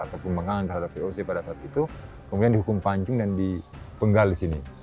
atau pengembangan terhadap voc pada saat itu kemudian dihukum panjung dan dipenggal di sini